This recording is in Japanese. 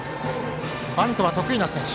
バントは得意な選手。